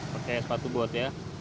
pakaian sepatu bot ya